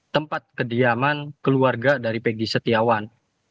tempat kediaman keluarga dari pegi setiawan